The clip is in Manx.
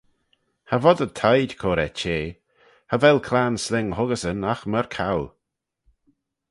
Cha vod y tide cur er chea: cha vel claghyn-sling huggeysyn agh myr coau.